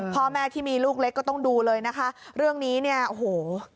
พ่อแม่ที่มีลูกเล็กก็ต้องดูเลยนะคะเรื่องนี้เนี่ยโอ้โห